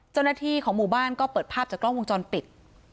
เจ้าหน้าที่ของหมู่บ้านก็เปิดภาพจากกล้องวงจรปิด